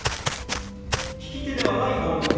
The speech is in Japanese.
利き手ではない方の手の親指